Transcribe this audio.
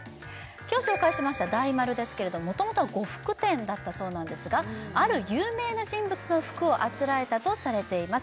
今日紹介しました大丸ですけれどももともとは呉服店だったそうなんですがある有名な人物の服をあつらえたとされています